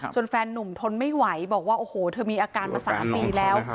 แฟนนุ่มทนไม่ไหวบอกว่าโอ้โหเธอมีอาการมา๓ปีแล้ว